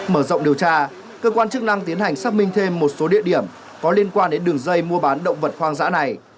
mở rộng điều tra cơ quan chức năng tiến hành xác minh thêm một số địa điểm có liên quan đến đường dây mua bán động vật hoang dã này